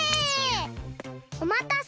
おまたせ！